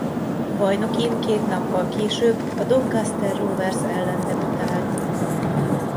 Bajnokin két nappal később a Doncaster Rovers ellen debütált.